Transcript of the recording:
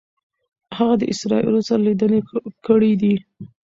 هغه د اسرائیلو سره لیدنې کړي دي.